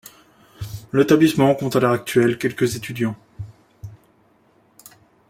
L’établissement compte à l’heure actuelle quelque étudiants.